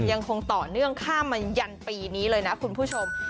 ยังคงต่อเนื่องข้ามมายันปีนี้เลยนะคุณผู้ชม